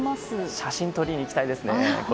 写真を撮りに行きたいですね。